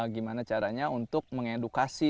gimana caranya untuk mengedukasi